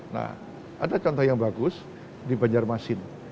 nah ada contoh yang bagus di banjarmasin